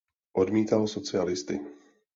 Odmítal socialisty.